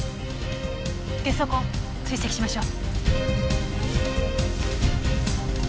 下足痕追跡しましょう。